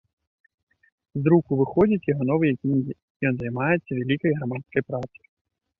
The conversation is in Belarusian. З друку выходзяць яго новыя кнігі, ён займаецца вялікай грамадскай працай.